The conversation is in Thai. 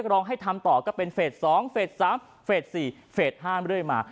ก็เป็นเฟส๒เฟส๓เฟส๔เฟส๕เรื่อยมา